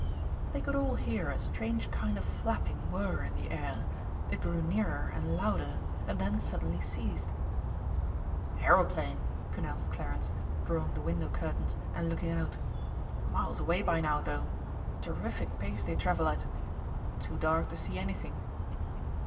They could all hear a strange kind of flapping whirr in the air, it grew nearer and louder and then suddenly ceased. "Aeroplane," pronounced Clarence, drawing the window curtains and looking out. "Miles away by now, though. Terrific pace they travel at. Too dark to see anything."